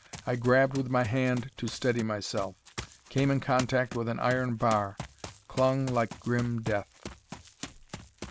I grabbed with my hand to steady myself; came in contact with an iron bar: clung like grim death.